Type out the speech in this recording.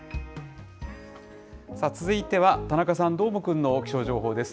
さあ、続いては田中さん、どーもくんの気象情報です。